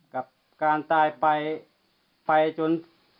กับการตายไปไปจน